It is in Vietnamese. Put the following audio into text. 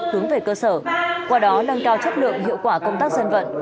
hướng về cơ sở qua đó nâng cao chất lượng hiệu quả công tác dân vận